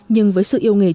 nhưng với sự yêu nghề chuyển